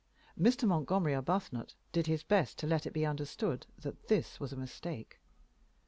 Mr. Montgomery Arbuthnot did his best to let it be understood that this was a mistake.